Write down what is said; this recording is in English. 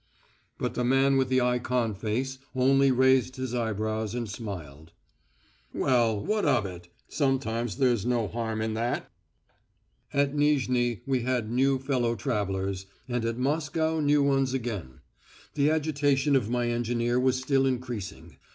But the man with the ikon face only raised his eyebrows and smiled. "Well, what of it? Sometimes there's no harm in that." At Nizhni we had new fellow travellers, and at Moscow new ones again. The agitation of my engineer was still increasing.